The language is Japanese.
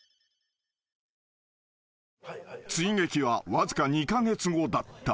［追撃はわずか２カ月後だった］